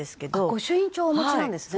御朱印帳をお持ちなんですね。